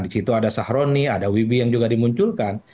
di situ ada sahroni ada wiwi yang juga dimunculkan